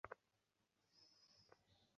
আমি মাঝে মাঝে তোমাকে টাকা পাঠাইব।